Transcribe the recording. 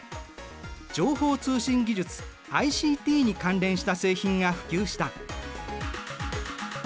情報通信技術ＩＣＴに関連した製品が普及した。